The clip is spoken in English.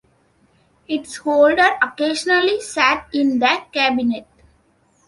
Its holder occasionally sat in the cabinet.